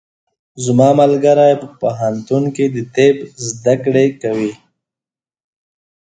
زما ملګری په پوهنتون کې د طب زده کړې کوي.